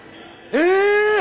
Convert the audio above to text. え！